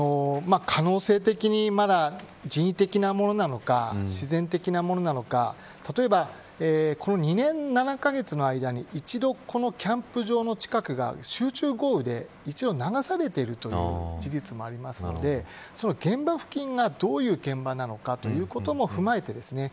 可能性的に、まだ人為的なものなのか、自然的なものなのか例えば、この２年７カ月の間に一度、このキャンプ場の近くが集中豪雨で一度流されているという事実もありますのでその現場付近が、どういう現場なのかということも踏まえてですね